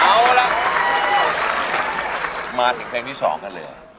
เอาล่ะมาถึงเพลงที่๒กันเลย